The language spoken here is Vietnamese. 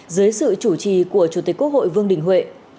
dưới sự chủ trì của chủ tịch quốc hội vương đình huệ